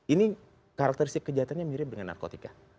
ini karakteristik kejahatannya mirip dengan narkotika